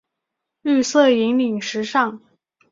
绿色引领时尚。